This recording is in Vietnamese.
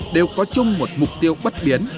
đều có chung một mục tiêu bất biến